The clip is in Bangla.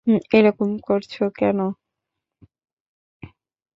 এরকম করছ কেন?